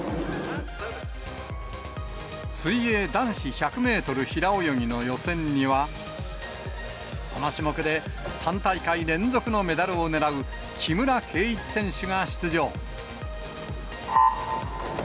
水泳男子１００メートル平泳ぎの予選には、この種目で３大会連続のメダルをねらう、木村敬一選手が出場。